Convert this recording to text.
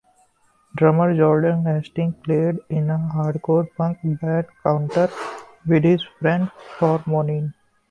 Drummer Jordan Hastings played in a hardcore punk band Cunter with friends from Moneen.